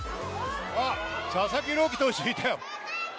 佐々木朗希投手がいたよ。